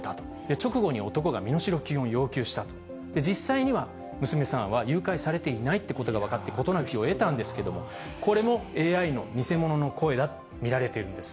直後に男が身代金を要求したと、実際には、娘さんは誘拐されていないっていうことが分かって事なきを得たんですけれども、これもＡＩの偽者の声だと見られているんです。